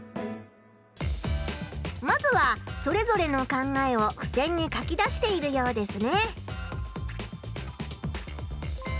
まずはそれぞれの考えをふせんに書き出しているようですね。